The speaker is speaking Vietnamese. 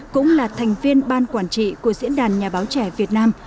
cũng là thành viên ban quản trị của diễn đàn nhà báo trẻ việt nam